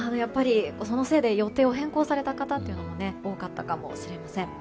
そのせいで予定を変更された方も多かったかもしれません。